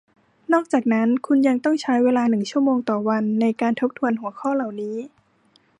นอกจากนั้นคุณยังต้องใช้เวลาหนึ่งชั่วโมงต่อวันในการทบทวนหัวข้อเหล่านี้